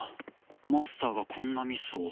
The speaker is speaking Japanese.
マスターがこんなミスを？